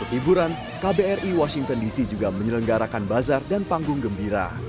untuk hiburan kbri washington dc juga menyelenggarakan bazar dan panggung gembira